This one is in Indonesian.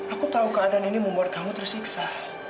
aku tahu keadaan ini membuat kamu tersiksa